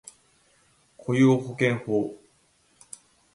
雇用保険法